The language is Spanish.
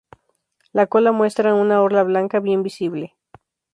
La cola muestra una orla blanca bien visible.